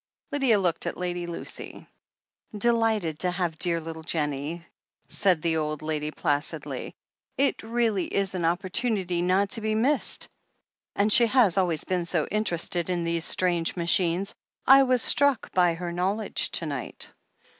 Lydia looked at Lady Lucy. "Delighted to have dear little Jennie," said the old lady placidly. "It really is an opportunity not to be missed, and she has always been so interested in these strange machines. I was struck by her knowledge to night."